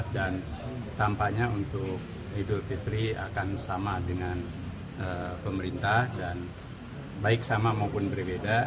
dan tampaknya untuk hidup fitri akan sama dengan pemerintah dan baik sama maupun berbeda